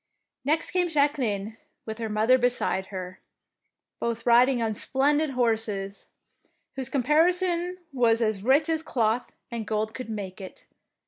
Next came Jacqueline with her mother beside her, both riding on splendid horses, whose caparison was as rich as cloth and gold could make it.